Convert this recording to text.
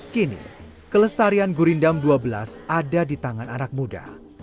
kini kelestarian gurindam dua belas ada di tangan anak muda